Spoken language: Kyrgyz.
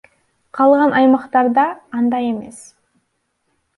Калган аймактарда андай эмес.